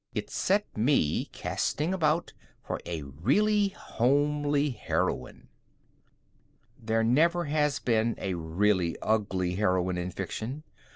It set me casting about for a really homely heroine. There never has been a really ugly heroine in fiction.